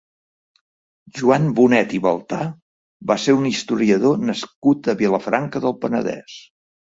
Joan Bonet i Baltà va ser un historiador nascut a Vilafranca del Penedès.